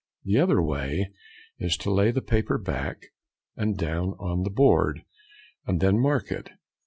The other way is to lay the paper back, and down on the board, and then to mark it.